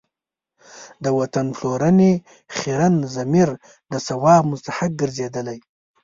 د وطن پلورنې خیرن ضمیر د ثواب مستحق ګرځېدلی.